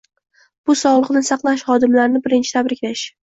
Bu sog'liqni saqlash xodimlarini birinchi tabriklash